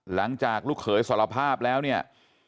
หลังจากลูกเขยสารภาพแล้วเนี่ย